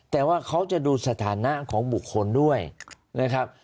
แต่ว่าเขาจะดูสถานะของบุคคลด้วยนะครับ